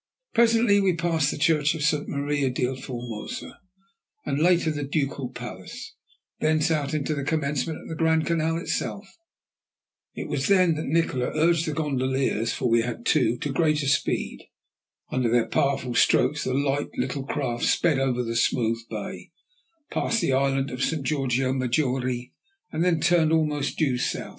Presently we passed the church of St. Maria del Formosa, and later the Ducal Palace, thence out into the commencement of the Grand Canal itself. It was then that Nikola urged the gondoliers, for we had two, to greater speed. Under their powerful strokes the light little craft sped over the smooth bay, passed the island of St. Georgio Maggiore, and then turned almost due south.